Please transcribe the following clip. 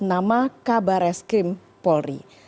nama kabares krim paul ri